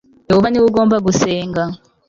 yehova ni we ugomba gusenga